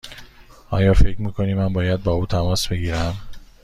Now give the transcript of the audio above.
آیا فکر می کنی من باید با او تماس بگیرم؟